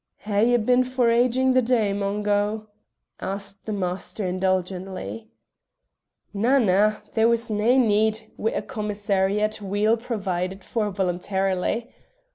"Hae ye been foraging the day, Mungo?" asked the master indulgently. "Na, na, there was nae need wi' a commissariat weel provided for voluntary.